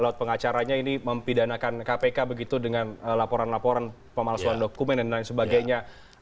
lewat pengacaranya ini mempidanakan kpk begitu dengan laporan laporan pemalsuan dokumen dan lain sebagainya